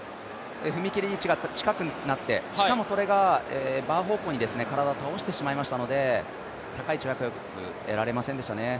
踏み切り位置が近くになって、しかもそれがバー方向に体、倒してしまいましたので高い跳躍力得られませんでしたね。